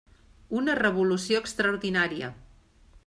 Una revolució extraordinària.